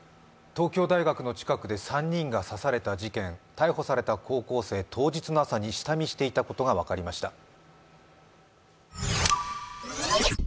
東京大学の近くで３人が刺された事件逮捕された高校生、当日の朝に下見していたことが分かりました。